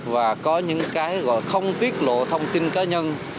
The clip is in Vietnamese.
và có những cái không tiết lộ thông tin